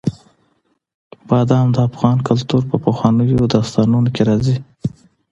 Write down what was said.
بادام د افغان کلتور په پخوانیو داستانونو کې راځي.